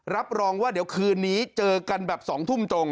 รับรองว่าเดี๋ยวคืนนี้เจอกันแบบ๒ทุ่มตรง